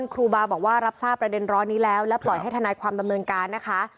ครูบาบอกว่ารับทราบประเด็นร้อนนี้แล้วแล้วปล่อยให้ทนายความดำเนินการนะคะ